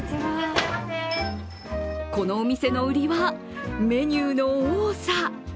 このお店の売りは、メニューの多さ。